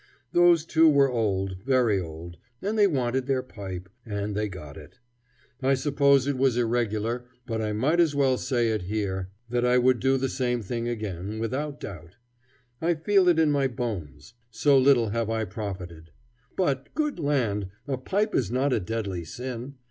Those two were old, very old, and they wanted their pipe, and they got it. I suppose it was irregular, but I might as well say it here that I would do the same thing again, without doubt. I feel it in my bones. So little have I profited. But, good land! a pipe is not a deadly sin.